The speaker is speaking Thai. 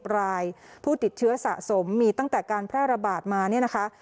รายผู้ติดเชื้อสะสมมีตั้งแต่การแพร่ระบาดมาเนี่ยนะคะ